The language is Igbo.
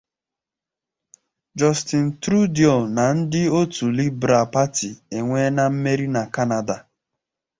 Justin Trudeau na Ndi otu Libral Pati Enwena Mmeri na Kanada